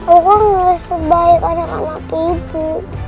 aku gak sebaik anak anak ibu